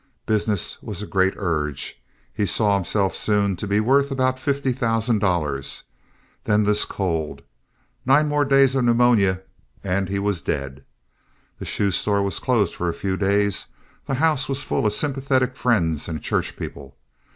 Business was a great urge. He saw himself soon to be worth about fifty thousand dollars. Then this cold—nine more days of pneumonia—and he was dead. The shoe store was closed for a few days; the house was full of sympathetic friends and church people.